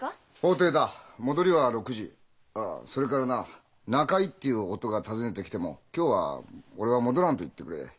ああそれからな中井っていう男が訪ねてきても「今日は俺は戻らん」と言ってくれ。